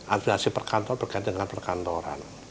atrasi perkantor berkaitan dengan perkantoran